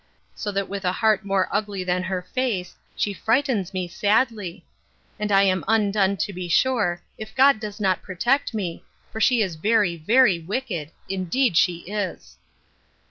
—So that with a heart more ugly than her face, she frightens me sadly: and I am undone to be sure, if God does not protect me; for she is very, very wicked—indeed she is.